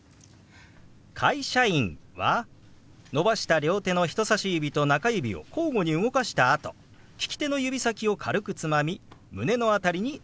「会社員」は伸ばした両手の人さし指と中指を交互に動かしたあと利き手の指先を軽くつまみ胸の辺りに当てます。